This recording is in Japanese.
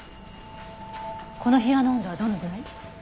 この部屋の温度はどのぐらい？